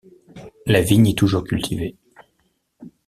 La vigne est toujours cultivée.